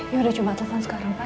ya udah cuma telepon sekarang pak